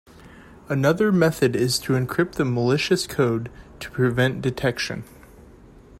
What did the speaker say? Another method is to encrypt the malicious code to prevent detection.